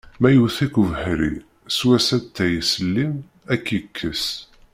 Ma yewwet-ik ubeḥri sew-as atay s llim ad k-yekkes!